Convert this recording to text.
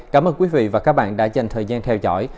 cảm ơn quý vị và các bạn đã dành thời gian theo dõi